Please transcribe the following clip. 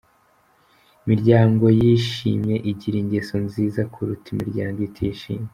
Imiryango yishimye igira ingeso nziza kuruta imiryango itishimye.